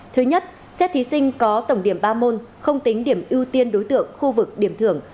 thứ nhất xét thí sinh có tổng điểm ba môn không tính điểm ưu tiên đối tượng khu vực điểm thưởng